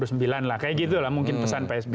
kayak gitu lah mungkin pesan pak s b